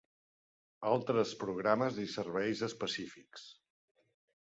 Altres programes i serveis específics.